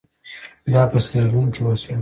دا په سیریلیون کې وشول.